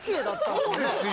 そうですよ